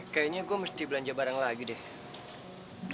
kayaknya gue mesti belanja barang lagi deh